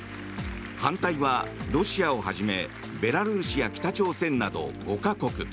反対は、ロシアをはじめベラルーシや北朝鮮など５か国。